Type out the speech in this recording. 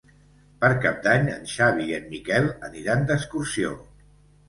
Per Cap d'Any en Xavi i en Miquel aniran d'excursió.